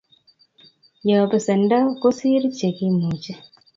Yoo pesendo kosir che kimuchi